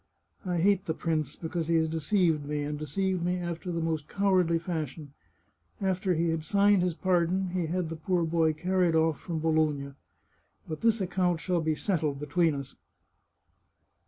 " I hate the prince, because he has deceived me, and de ceived me after the most cowardly fashion. After he had signed his pardon, he had the poor boy carried off from Bologna. But this account shall be settled between us."